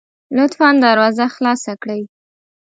لطفا دروازه خلاصه کړئ